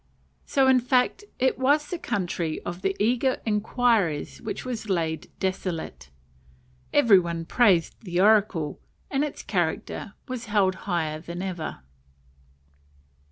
So, in fact, it was the country of the eager inquirers which was laid "desolate." Every one praised the oracle, and its character was held higher than ever.